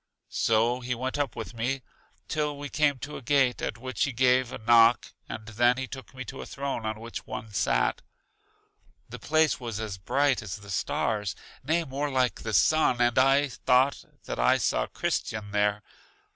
So he went up with me till we came to a gate, at which he gave a knock and then he took me to a throne on which one sat. The place was as bright as the stars, nay more like the sun. And I thought that I saw Christian there.